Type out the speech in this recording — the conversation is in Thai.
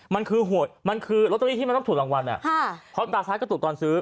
มันคือหวยมันคือลอตเตอรี่ที่มันต้องถูกรางวัลเพราะตาซ้ายกระตุกตอนซื้อ